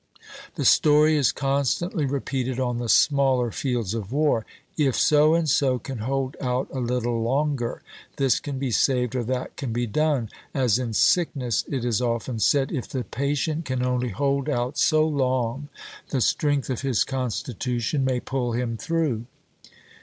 The story is constantly repeated on the smaller fields of war: "If so and so can hold out a little longer, this can be saved or that can be done;" as in sickness it is often said: "If the patient can only hold out so long, the strength of his constitution may pull him through."